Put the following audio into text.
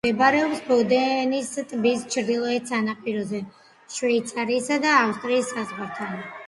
მდებარეობს ბოდენის ტბის ჩრდილოეთ სანაპიროზე, შვეიცარიისა და ავსტრიის საზღვართან ახლოს.